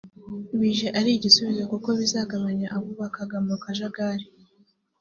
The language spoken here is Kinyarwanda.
bije ari igisubizo kuko bizagabanya abubakaga mu kajagali